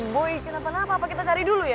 boy kita apa apa apa kita cari dulu ya